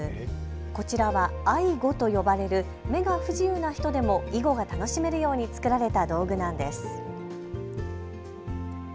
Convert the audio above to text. こちらはアイゴと呼ばれる目が不自由な人でも囲碁が楽しめるように作られた道具なんです。